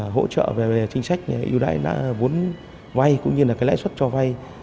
hỗ trợ về chính sách yêu đáy vốn vay cũng như lãi suất cho vay